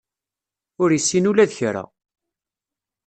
Ur issin ula d kra.